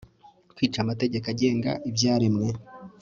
kwica amategeko agenga ibyaremwe